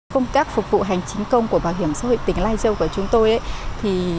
công tác phục vụ hành chính công của bảo hiểm sội tỉnh lai châu của chúng tôi